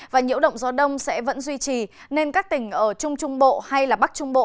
và nhiễu động gió đông sẽ vẫn duy trì nên các tỉnh ở trung trung bộ hay bắc trung bộ